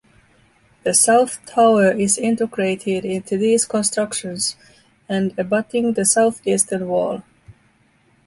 The south tower is integrated into these constructions, and abutting the southeastern wall.